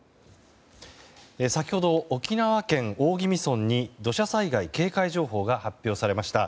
先ほど、沖縄県大宜味村に土砂災害警戒情報が発表されました。